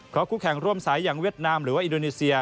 เพราะคู่แข่งร่วมสายอย่างเวียดนามหรือว่าอินโดนีเซีย